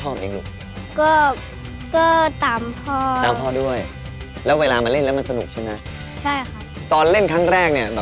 โอ๊ยทำไมครับทำไมไม่ชอบกองหน้าแล้วแหละ